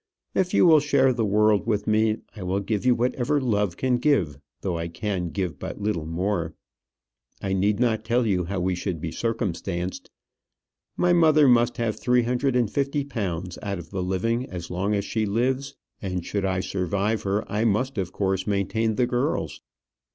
If you will share the world with me, I will give you whatever love can give though I can give but little more. I need not tell you how we should be circumstanced. My mother must have three hundred and fifty pounds out of the living as long as she lives; and should I survive her, I must, of course, maintain the girls.